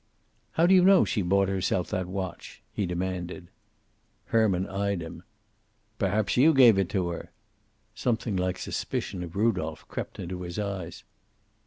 "How do you know she bought herself that watch," he demanded. Herman eyed him. "Perhaps you gave it to her!" Something like suspicion of Rudolph crept into his eyes.